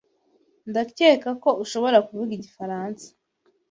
Ndakeka ko ushobora kuvuga igifaransa.